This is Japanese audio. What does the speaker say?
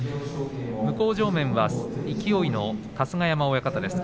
向正面は勢の春日山親方です。